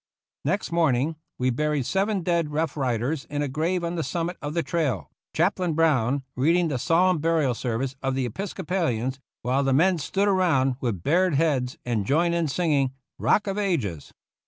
Next morning we buried seven dead Rough Riders in a grave on the summit of the trail. Chaplain Brown reading the solemn burial service of the Episcopalians, while the men stood around io8 GENERAL YOUNG'S FIGHT with bared heads and joined in singing, "Rock of Ages."